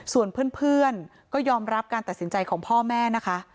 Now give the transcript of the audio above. ส่วนเพื่อนก็ยอมรับการตัดสินใจของพ่อแม่นะคะ